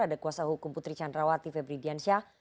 ada kuasa hukum putri candrawati febri diansyah